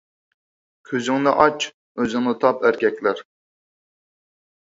كۆزۈڭنى ئاچ، ئۆزۈڭنى تاپ ئەركەكلەر